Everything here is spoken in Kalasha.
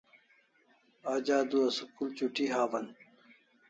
Aj adua school chuti hawan